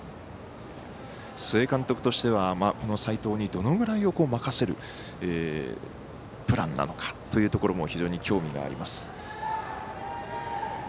須江監督としては、この斎藤にどのぐらいを任せるプランなのかというところも非常に興味があります。